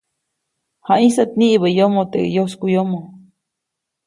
Jayĩsät niʼibä yomoʼ teʼ yoskuʼyomo.